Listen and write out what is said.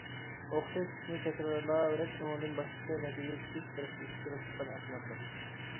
ئوخشاش ئىشنى تەكرارلاۋېرىپ، ئۇنىڭدىن باشقىچە نەتىجە كۈتۈش بىر خىل ئۇچىغا چىققان ئەخمەقلىق.